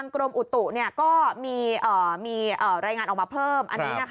กรมอุตุก็มีรายงานออกมาเพิ่ม